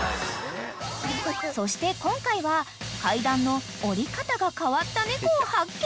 ［そして今回は階段の下り方が変わった猫を発見］